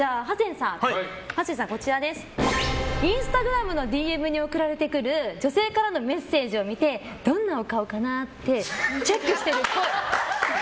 ハセンさん、インスタグラムのＤＭに送られてくる女性からのメッセージを見てどんなお顔かなってチェックしてるっぽい。